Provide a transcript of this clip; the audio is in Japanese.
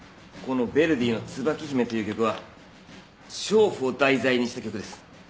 このヴェルディの『椿姫』という曲は娼婦を題材にした曲です。